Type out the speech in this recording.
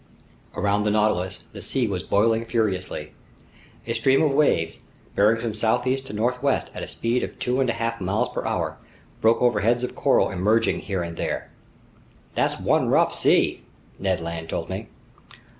Around the Nautilus the sea was boiling furiously. A stream of waves, bearing from southeast to northwest at a speed of two and a half miles per hour, broke over heads of coral emerging here and there. "That's one rough sea!" Ned Land told me.